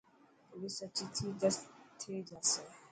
پوليس سچي ٿي ته ٿي جاسي.